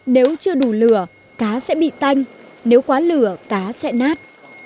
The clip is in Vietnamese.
nếu chưa đủ lửa cá sẽ bị tanh nếu quá lửa cá sẽ nát